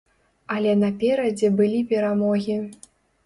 Але наперадзе былі перамогі.